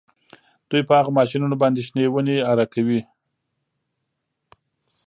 دوی په هغو ماشینونو باندې شنې ونې اره کولې